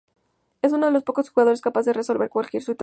Es uno de los pocos jugadores capaz de resolver cualquier situación.